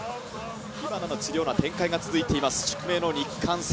火花の散るような展開が続いています、宿命の日韓戦。